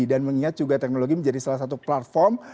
dan mengingat juga teknologi menjadi salah satu platform